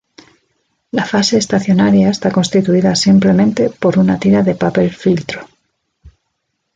La fase estacionaria está constituida simplemente por una tira de papel filtro.